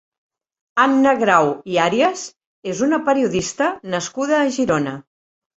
Anna Grau i Àrias és una periodista nascuda a Girona.